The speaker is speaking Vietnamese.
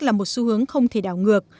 là một xu hướng không thể đảo ngược